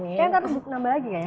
saya ntar nambah lagi gak ya